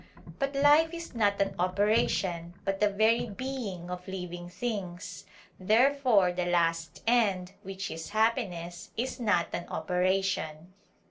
But life is not an operation, but the very being of living things. Therefore the last end, which is happiness, is not an operation.